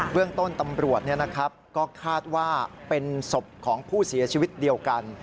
เรื่องต้นตำรวจก็คาดว่าเป็นศพของผู้เสียชีวิตเดียวกัน